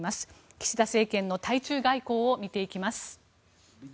岸田政権の対中外交を見ていきます。